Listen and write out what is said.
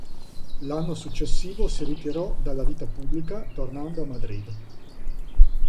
L'anno successivo si ritirò dalla vita pubblica tornando a Madrid.